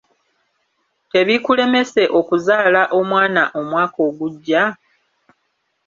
Tebiikulemese okuzaala omwana omwaka ogujja?